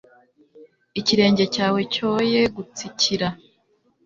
ikirenge cyawe cyoye gutsikira